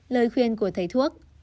lời khuyên của thầy thuốc